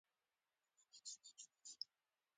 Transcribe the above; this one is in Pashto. موږ باید هڅه وکړو چې له طبیعت سره وصل شو